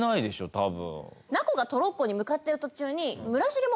多分。